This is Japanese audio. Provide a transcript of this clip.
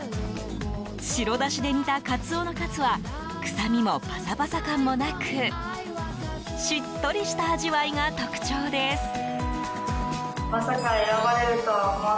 白だしで煮たカツオのカツは臭みもパサパサ感もなくしっとりした味わいが特徴です。